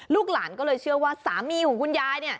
หลานก็เลยเชื่อว่าสามีของคุณยาย